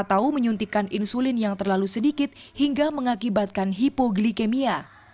atau menyuntikkan insulin yang terlalu sedikit hingga mengakibatkan hipoglikemia